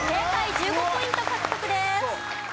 １５ポイント獲得です。